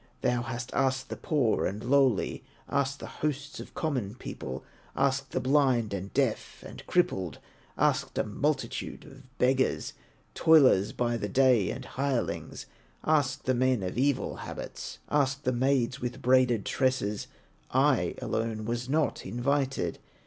Thou hast asked the poor and lowly, Asked the hosts of common people, Asked the blind, and deaf, and crippled, Asked a multitude of beggars, Toilers by the day, and hirelings; Asked the men of evil habits, Asked the maids with braided tresses, I alone was not invited.